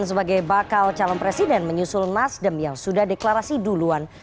sebagai bakal calon presiden menyusul nasdem yang sudah deklarasi duluan